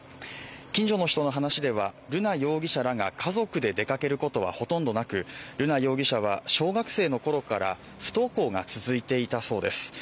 近所の人の話では瑠奈容疑者らが家族で出かけることはほとんどなく瑠奈容疑者は小学生の頃から不登校が続いていたそうです。